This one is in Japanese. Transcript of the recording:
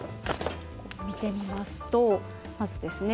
見てみますと、まずですね